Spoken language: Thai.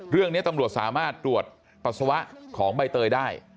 เรื่องนี้ตำรวจสามารถตรวจปัสสาวะของใบเตยได้